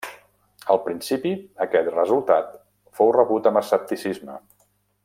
Al principi, aquest resultat fou rebut amb escepticisme.